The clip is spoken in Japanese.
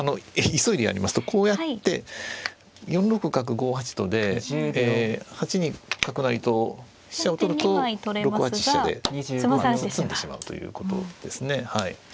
急いでやりますとこうやって４六角５八とで８二角成と飛車を取ると６八飛車で詰んでしまうということですね。